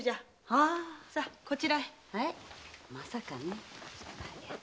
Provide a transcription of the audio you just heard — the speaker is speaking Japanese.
まさかね。